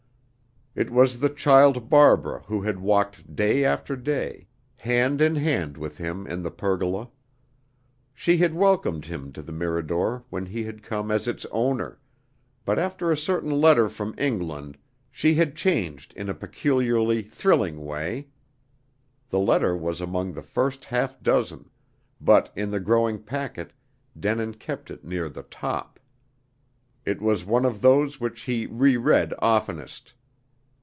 It was the child Barbara who had walked day after day, hand in hand with him in the pergola. She had welcomed him to the Mirador when he had come as its owner; but after a certain letter from England, she had changed in a peculiarly thrilling way. The letter was among the first half dozen; but in the growing packet, Denin kept it near the top. It was one of those which he re read oftenest.